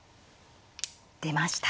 出ました。